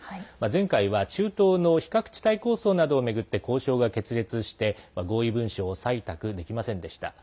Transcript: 前回は中東の非核地帯構想などを巡って交渉が決裂して合意文書を採択できませんでした。